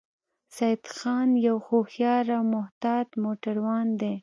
سیدخان یو هوښیار او محتاط موټروان دی